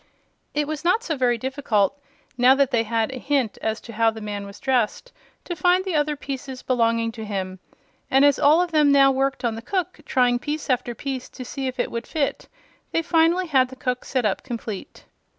It was not so very difficult, now that they had a hint as to how the man was dressed, to find the other pieces belonging to him, and as all of them now worked on the cook, trying piece after piece to see if it would fit, they finally had the cook set up complete.